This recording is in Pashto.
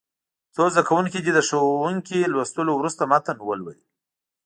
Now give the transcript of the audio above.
څو زده کوونکي دې د ښوونکي لوستلو وروسته متن ولولي.